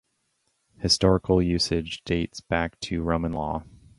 Historical usage dates back to Roman Law.